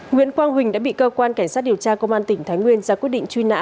nguyễn quang huỳnh đã bị cơ quan cảnh sát điều tra công an tỉnh thái nguyên ra quyết định truy nã